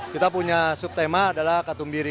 kita punya sub tema adalah katumbiri